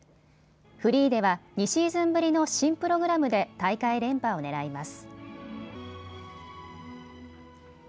フリーでは２シーズンぶりの新プログラムで大会連覇をねらいます。